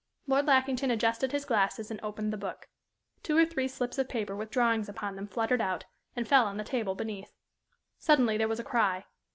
Lord Lackington adjusted his glasses and opened the book. Two or three slips of paper with drawings upon them fluttered out and fell on the table beneath. Suddenly there was a cry.